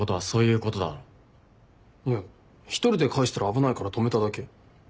いや１人で帰したら危ないから泊めただけ。